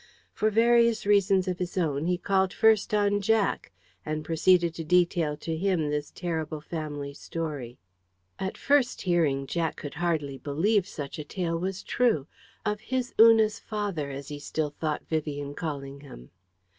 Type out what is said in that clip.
For various reasons of his own, he called first on Jack, and proceeded to detail to him this terrible family story. At first hearing, Jack could hardly believe such a tale was true of his Una's father, as he still thought Vivian Callingham.